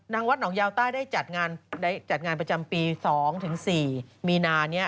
วัดหนองยาวใต้ได้จัดงานประจำปี๒๔มีนานี้